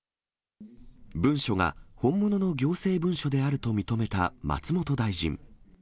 文書が本物の行政文書であると認めた松本大臣。